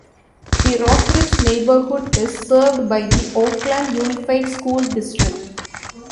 The Rockridge neighborhood is served by the Oakland Unified School District.